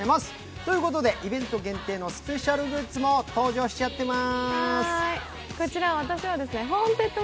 ということでイベント限定のスペシャルグッズも登場しちゃってまーす。